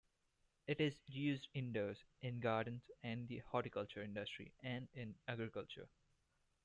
It is used indoors, in gardens and the horticulture industry, and in agriculture.